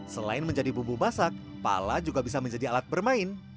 selain menjadi bumbu masak pala juga bisa menjadi alat bermain